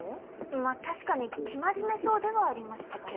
まあ確かに生真面目そうではありましたけど。